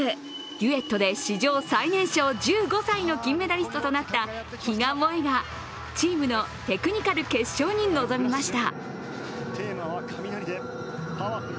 デュエットで史上最年少１５歳の金メダリストとなった比嘉もえがチームのテクニカル決勝に臨みました。